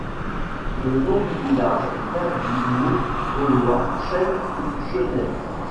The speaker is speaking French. Le nom du village vient du mot gaulois chêne ou chenaie.